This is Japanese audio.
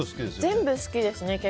全部好きですね。